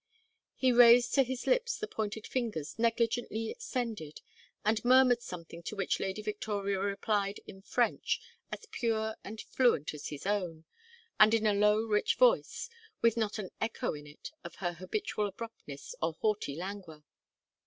He raised to his lips the pointed fingers negligently extended, and murmured something to which Lady Victoria replied in French as pure and fluent as his own; and in a low rich voice, with not an echo in it of her habitual abruptness or haughty languor.